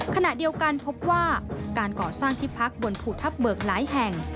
ขณะเดียวกันพบว่าการก่อสร้างที่พักบนภูทับเบิกหลายแห่ง